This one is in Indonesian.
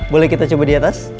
boleh kita coba di atas